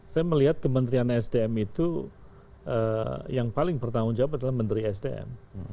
saya melihat kementerian sdm itu yang paling bertanggung jawab adalah menteri sdm